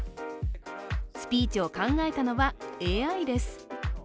スピーチを考えたのはＡＩです。